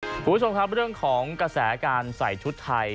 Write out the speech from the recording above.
คุณผู้ชมครับเรื่องของกระแสการใส่ชุดไทย